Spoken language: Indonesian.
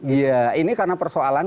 iya ini karena persoalan